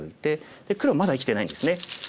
で黒まだ生きてないんですね。